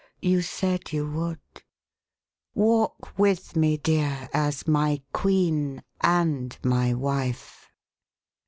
You said you would. Walk with me, dear, as my queen and my wife."